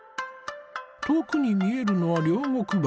遠くに見えるのは両国橋。